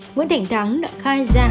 nguyễn thành thắng đã khai ra